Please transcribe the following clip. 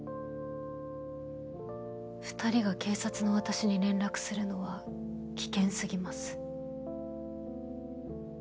２人が警察の私に連絡するのは危険すぎます。